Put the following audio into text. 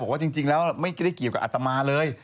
ว่าจริงแล้วไม่ได้เกี่ยวกับอัตมาเลย